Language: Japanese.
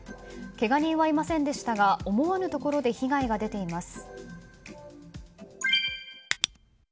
けが人はいませんでしたが思わぬところで被害が出ています。